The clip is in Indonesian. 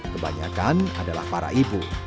kebanyakan adalah para ibu